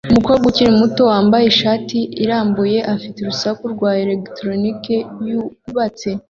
Umukobwa ukiri muto wambaye ishati irambuye afite urusaku rwa elegitoronike yubatse